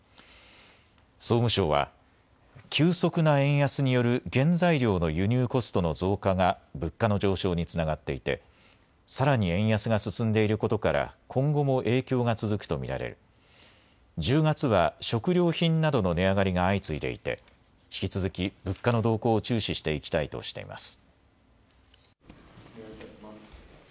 総務省は急速な円安による原材料の輸入コストの増加が物価の上昇につながっていてさらに円安が進んでいることから今後も影響が続くと見られ１０月は食料品などの値上がりが相次いでいて引き続き物価の動向を注視していきたいとしています。